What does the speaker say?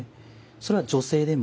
それは女性でも？